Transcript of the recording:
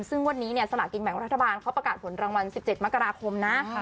ซึ่งวันนี้เนี่ยสลากินแบ่งรัฐบาลเขาประกาศผลรางวัล๑๗มกราคมนะ